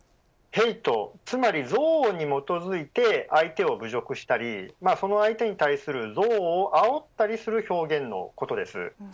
ヘイト、つまり憎悪に基づいて相手を侮辱したりその相手に対する憎悪をあおったりする表現のことです。